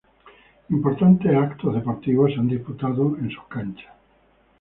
Importantes eventos deportivos se han disputado en sus canchas.